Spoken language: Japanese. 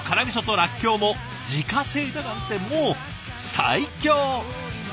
らっきょうも自家製だなんてもう最強！